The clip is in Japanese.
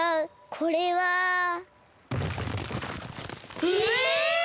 これは。ええ！